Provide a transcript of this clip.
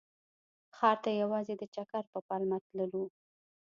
ښار ته یوازې د چکر په پلمه تللو.